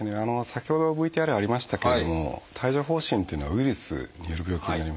先ほどＶＴＲにありましたけれども帯状疱疹っていうのはウイルスによる病気になります。